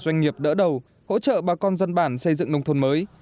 doanh nghiệp đỡ đầu hỗ trợ bà con dân bản xây dựng nông thôn mới